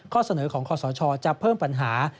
เสนอของคอสชจะเพิ่มปัญหา